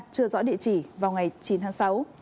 chưa rõ địa chỉ vào ngày chín tháng sáu